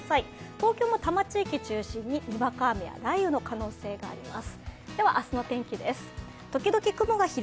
東京も多摩地域中心に、にわか雨や雷雨の可能性があります。